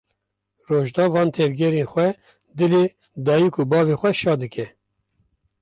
Rojda van tevgerên xwe dilê dayîk û bavê xwe şa dike.